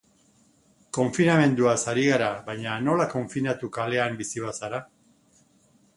Konfinamenduaz ari gara, baina nola konfinatu kalean bizi bazara?